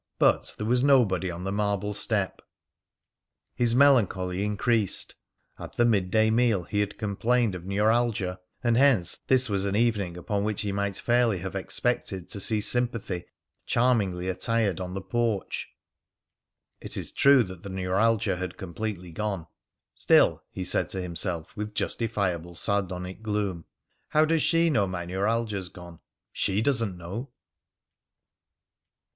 But there was nobody on the marble step. His melancholy increased. At the midday meal he had complained of neuralgia, and hence this was an evening upon which he might fairly have expected to see sympathy charmingly attired on the porch. It is true that the neuralgia had completely gone. "Still," he said to himself with justifiable sardonic gloom, "how does she know my neuralgia's gone? She doesn't know."